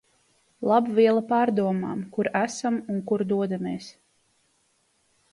Laba viela pārdomām, kur esam un kur dodamies.